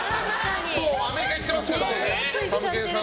もうアメリカ行ってますからね。